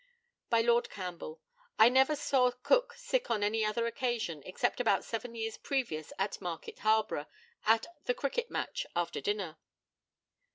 By Lord CAMPBELL: I never saw Cook sick on any other occasion, except about seven years previous at Market Harborough, at the cricket match, after dinner.